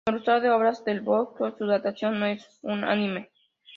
Como el resto de obras del Bosco, su datación no es unánime.